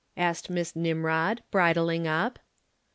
asked Miss Nimrod, bridling up.